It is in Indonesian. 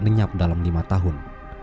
menyiap dalam lima tahun